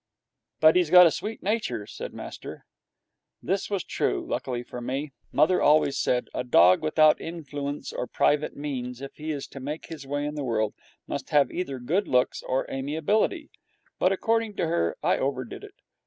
'But he's got a sweet nature,' said master. This was true, luckily for me. Mother always said, 'A dog without influence or private means, if he is to make his way in the world, must have either good looks or amiability.' But, according to her, I overdid it.